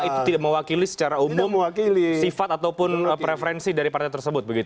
itu tidak mewakili secara umum sifat ataupun preferensi dari partai tersebut